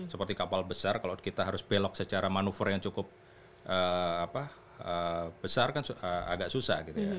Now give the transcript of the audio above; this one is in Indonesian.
seperti kapal besar kalau kita harus belok secara manuver yang cukup besar kan agak susah gitu ya